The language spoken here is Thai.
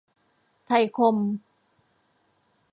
ไทยคม